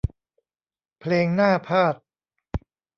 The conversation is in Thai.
เพลงหน้าพาทย์